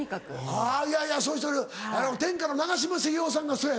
あぁいやいやそういう人おる天下の長嶋茂雄さんがそやね。